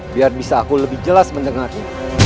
biar bisa aku lebih jelas mendengarnya